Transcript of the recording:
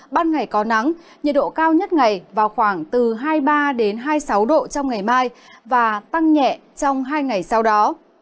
ban ngày có nắng nhiệt độ cao nhất ngày vào khoảng từ hai mươi ba hai mươi sáu độ trong ngày mai và tăng nhẹ trong hai ngày sau đó